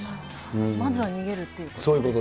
まずは逃げるということです